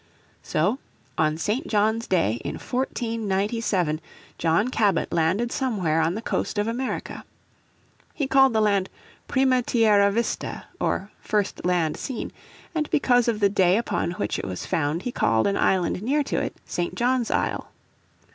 So on St. John's Day, in 1497, John Cabot landed somewhere on the coast of America. He called the land Prima Tierra Vista or First Land Seen, and because of the day upon which it was found he called an island near to it St. John's Isle.